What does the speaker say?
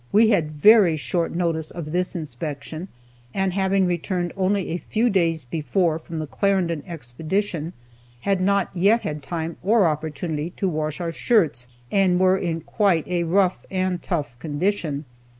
We had very short notice of this inspection, and having returned only a few days before from the Clarendon expedition, had not yet had time or opportunity to wash our shirts, and were in quite a rough and tough condition.